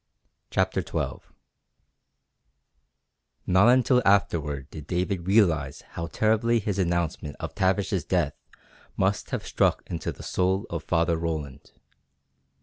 CHAPTER XII Not until afterward did David realize how terribly his announcement of Tavish's death must have struck into the soul of Father Roland.